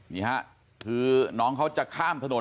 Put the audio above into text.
นี่ฮะคือน้องเขาจะข้ามถนน